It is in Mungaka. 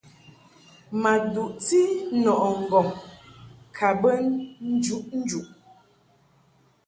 Ma duʼti nɔʼɨ ŋgɔŋ ka bə njuʼnjuʼ.